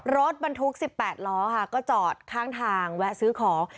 รถบรรทุก๑๘ล้อค่ะก็จอดข้างทางแวะซื้อของ